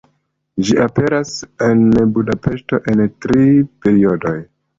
Ĝi aperis en Budapeŝto en tri periodoj.